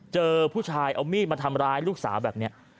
เจอผู้ชายเอามีดมาทำร้ายลูกสาวแบบนี้